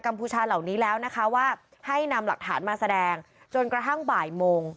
พูชาเหล่านี้แล้วนะคะว่าให้นำหลักฐานมาแสดงจนกระทั่งบ่ายโมง